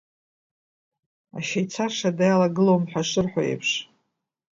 Ашьа ицаша ада иалагылом ҳәа шырҳәо еиԥш…